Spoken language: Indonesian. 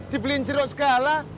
dibeliin jeruk segala